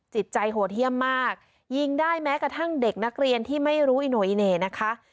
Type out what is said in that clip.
จิตใจโหดเยี่ยมมากยิงได้แม้กระทั่งเด็กนักเรียนที่ไม่รู้อิโนอิเน่นะคะ